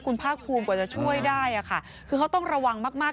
คุณภาคภูมิกว่าจะช่วยได้อ่ะค่ะคือเขาต้องระวังมากมาก